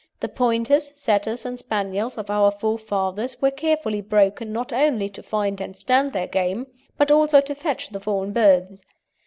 The Pointers, Setters, and Spaniels of our forefathers were carefully broken not only to find and stand their game, but also to fetch the fallen birds.